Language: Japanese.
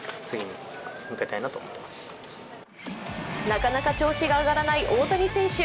なかなか調子が上がらない大谷選手。